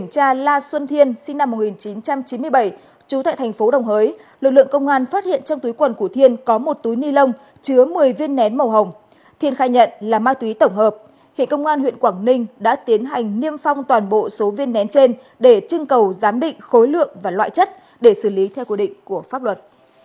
công an phát hiện trong túi quần của thiên có một túi ni lông chứa một mươi viên nén màu hồng thiên khai nhận là ma túy tổng hợp hiện công an huyện quảng ninh đã tiến hành niêm phong toàn bộ số viên nén trên để trưng cầu giám định khối lượng và loại chất để xử lý theo quy định của pháp luật